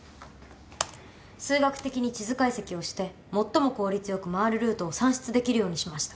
数学的に地図解析をして最も効率よく回るルートを算出できるようにしました。